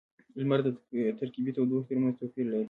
• لمر د ترکيبی تودوخې ترمینځ توپیر لري.